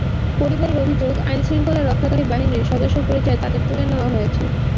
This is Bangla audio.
পরিবারের অভিযোগ, আইনশৃঙ্খলা রক্ষাকারী বাহিনীর সদস্য পরিচয়ে তাঁদের তুলে নেওয়া হয়েছে।